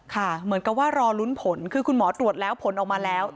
เหมือนกับว่ารอลุ้นผลคือคุณหมอตรวจแล้วผลออกมาแล้ว